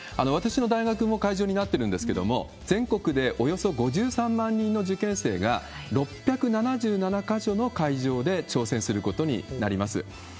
私の大学も会場になってるんですけれども、全国でおよそ５３万人の受験生が、６７７か所の会場で挑戦することになります。